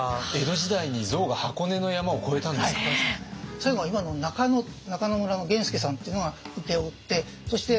最後は今の中野中野村の源助さんっていうのが請け負ってそして最後